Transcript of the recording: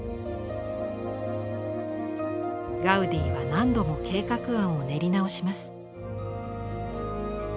ガウディは何度も計画案を練り直します。